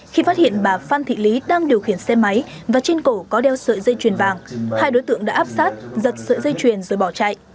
khi phát hiện bà phan thị lý đang điều khiển xe máy và trên cổ có đeo sợi dây chuyền vàng hai đối tượng đã áp sát giật sợi dây chuyền rồi bỏ chạy